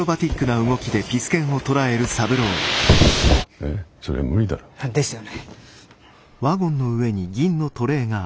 えっそれ無理だろ。ですよね。